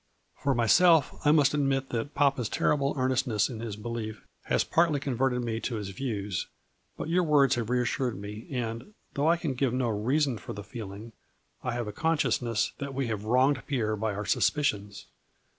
For myself, I must admit that papa's terrible earnestness in his be lief had partly converted me to his views, but your words have reassured me and, though I can give no reason for the feeling, I have a con sciousness that we have wronged Pierre by our suspicions.